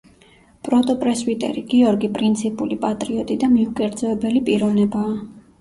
პროტოპრესვიტერი გიორგი პრინციპული, პატრიოტი და მიუკერძოებელი პიროვნებაა.